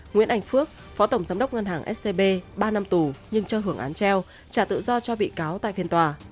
nguyễn anh phước phó tổng giám đốc ngân hàng scb ba năm tù nhưng cho hưởng án treo trả tự do cho bị cáo tại phiên tòa